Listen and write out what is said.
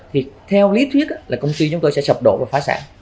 thì theo lý thuyết là công ty chúng tôi sẽ sập đổ và phá sản